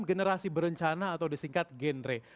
generasi berencana atau disingkat genre